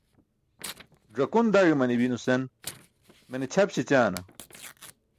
Ẓakun daẏ i̇mani̇mi nusen mene ćʰap śećaana?